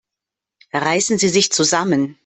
Reißen Sie sich zusammen!